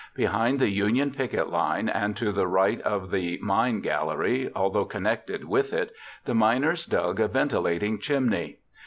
Behind the Union picket line and to the right of the mine gallery, although connected with it, the miners dug a ventilating chimney.